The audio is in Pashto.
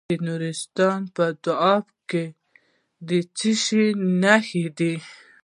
د نورستان په دو اب کې د څه شي نښې دي؟